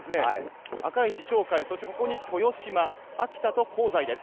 赤石、鳥海そして、ここに豊島、秋田と香西です。